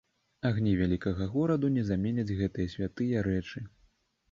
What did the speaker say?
Агні вялікага гораду не заменяць гэтыя святыя рэчы.